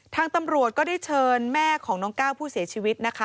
ทางตำรวจก็ได้เชิญแม่ของน้องก้าวผู้เสียชีวิตนะคะ